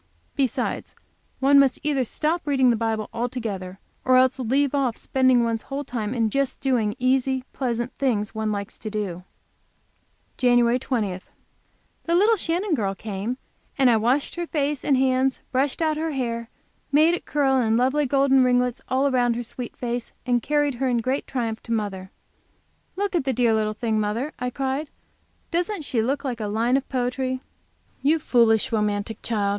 Besides, one must either stop reading the Bible altogether, or else leave off spending one's whole time in just doing easy pleasant things one likes to do. JAN. 20. The little Shannon girl came, and I washed her face and hands, brushed out her hair and made it curl in lovely golden ringlets all round her sweet face, and carried her in great triumph to mother. "Look at the dear little thing, mother!" I cried; "doesn't she look like a line of poetry?" "You foolish, romantic child!"